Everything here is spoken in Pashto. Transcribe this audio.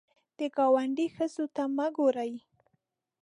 د ګاونډي ښځو ته مه ګورې